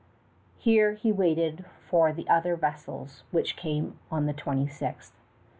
Here he waited for the other vessels, which came on the 26th.